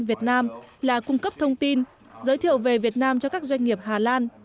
việt nam là cung cấp thông tin giới thiệu về việt nam cho các doanh nghiệp hà lan